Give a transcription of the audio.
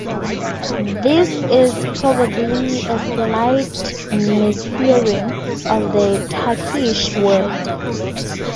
This is probably a slight mishearing of the Turkish word.